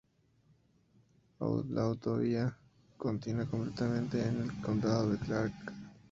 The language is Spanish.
La autovía continua completamente en el condado de Clark.